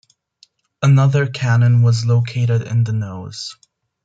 Another cannon was located in the nose.